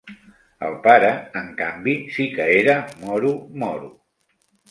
El pare, en canvi, sí que era moro moro.